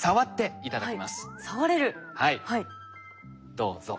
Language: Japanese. どうぞ。